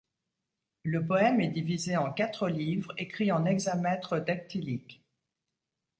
Le poème est divisé en quatre livres écrits en hexamètres dactyliques.